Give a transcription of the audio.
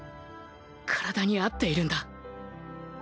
体に合っているんだ